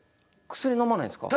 薬のまないんすか？